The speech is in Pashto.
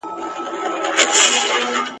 لا به در اوري د غضب غشي !.